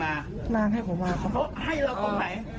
อันนี้ไม่ได้โกหกครับ